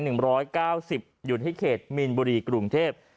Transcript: หยุดให้เขตมีนบุรีกรุงเทพฯ